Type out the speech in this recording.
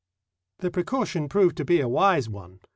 The precaution proved to be a wise one.